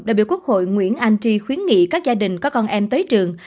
đại biểu quốc hội nguyễn anh tri khuyến nghị các gia đình có con em tới trường